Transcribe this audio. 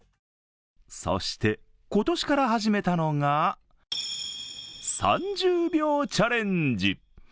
そして、今年から始めたのが３０秒チャレンジ。